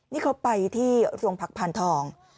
นี่เขาไปที่โรงพักพานทอง